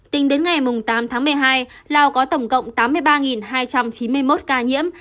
tính đến ngày tám tháng một mươi hai lào có tổng cộng tám mươi ba hai trăm chín mươi một ca nhiễm